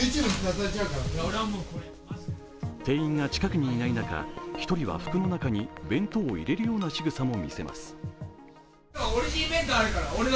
店員が近くにいない中、１人は服の中に弁当を入れるようなしぐさを見せます。